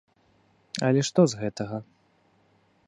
Але што з гэтага?